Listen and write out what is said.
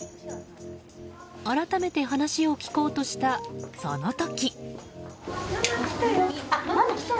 改めて話を聞こうとしたその時。